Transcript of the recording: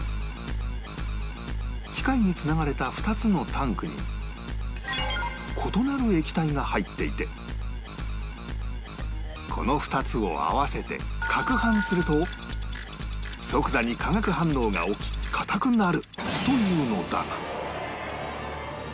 機械につながれた２つのタンクに異なる液体が入っていてこの２つを合わせてかくはんすると即座に化学反応が起き硬くなるというのだが